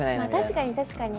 確かに確かに。